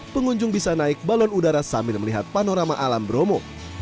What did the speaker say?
pengunjung bisa naik balon udara sambil melihat panorama alam bromo